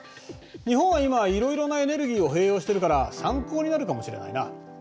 日本は今いろいろなエネルギーを併用してるから参考になるかもしれないな。